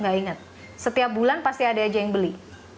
nggak ingat setiap bulan pasti ada aja yang beli